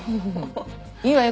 いいわよ